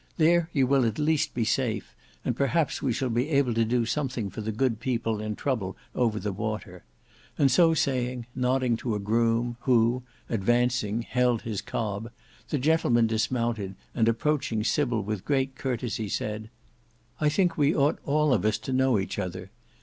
There you will at least be safe, and perhaps we shall be able to do something for the good people in trouble over the water," and so saying, nodding to a groom who, advancing, held his cob, the gentleman dismounted, and approaching Sybil with great courtesy, said, "I think we ought all of us to know each other.